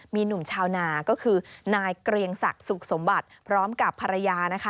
มีหนุ่มชาวนาก็คือนายเกรียงศักดิ์สุขสมบัติพร้อมกับภรรยานะคะ